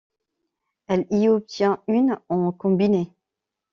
Elle y obtient une en combiné.